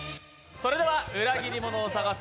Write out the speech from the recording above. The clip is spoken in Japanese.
それでは「裏切り者を探せ！